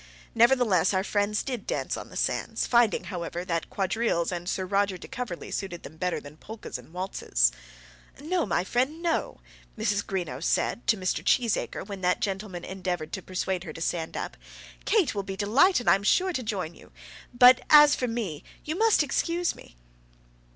Nevertheless our friends did dance on the sands; finding, however, that quadrilles and Sir Roger de Coverley suited them better than polkas and waltzes. "No, my friend, no," Mrs. Greenow said to Mr. Cheesacre when that gentleman endeavoured to persuade her to stand up; "Kate will be delighted I am sure to join you, but as for me, you must excuse me."